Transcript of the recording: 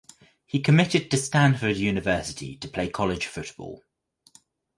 He committed to Stanford University to play college football.